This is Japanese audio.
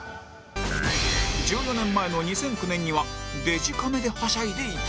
１４年前の２００９年にはデジカメでハシャいでいた